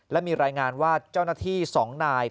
และมีรายงานว่าเจ้าหน้าที่๒นาย